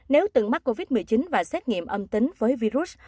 nếu từng mắc covid một mươi chín và xét nghiệm âm tính với virus